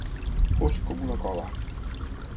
Fosc com una cova.